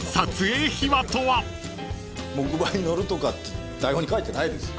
木馬に乗るとかって台本に書いてないですよ。